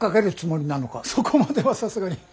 そこまではさすがに。